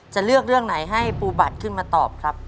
จะเลือกเรื่องไหนให้ปูบัตรขึ้นมาตอบครับ